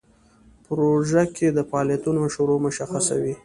په پروژه کې د فعالیتونو شروع مشخصه وي.